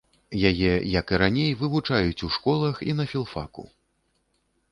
Яе, як і раней, вывучаюць у школах і на філфаку.